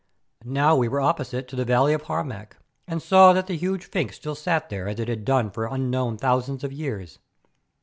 Now we were opposite to the valley of Harmac, and saw that the huge sphinx still sat there as it had done for unknown thousands of years.